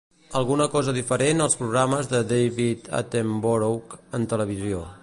Alguna cosa diferent als programes de David Attenborough en televisió.